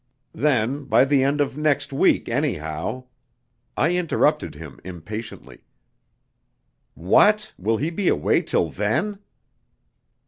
Then, by the end of next week, anyhow " I interrupted him impatiently. "What, will he be away till then?"